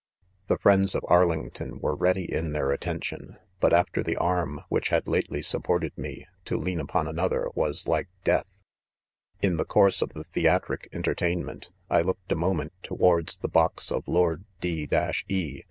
6 The friends of Arlington were_ready in their attention ; but after the arm which had lately supported me, to leaii upon aBOther was like death. 140 IDOMEW. € In the course of the theatric entertainment^ 1 looked a 'moment towards the box of Lord D ; e